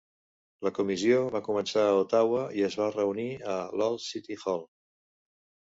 La comissió va començar a Ottawa i es va reunir a l'Old City Hall.